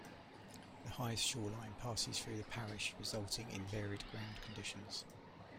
The highest shore-line passes through the parish, resulting in varied ground conditions.